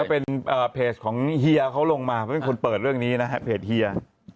เป็นเพจของเฮียเขาลงมาเพราะเป็นคนเปิดเรื่องนี้นะฮะเพจเฮีย